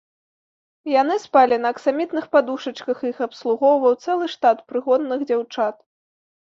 Яны спалі на аксамітных падушачках, і іх абслугоўваў цэлы штат прыгонных дзяўчат.